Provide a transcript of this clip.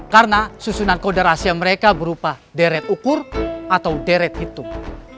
karena susunan kode rahasia mereka berupa deret ukur atau deret hitung